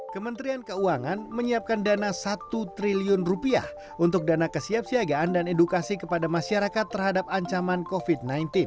kementerian keuangan menyiapkan dana rp satu triliun untuk dana kesiapsiagaan dan edukasi kepada masyarakat terhadap ancaman covid sembilan belas